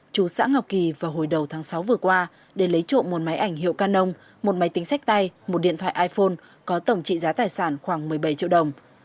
chú xã ngọc kỳ vào hồi đầu tháng sáu vừa qua để lấy trộm một máy ảnh hiệu canon một máy tính sách tay một điện thoại iphone có tổng trị giá tài sản khoảng một mươi bảy triệu đồng